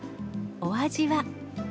お味は？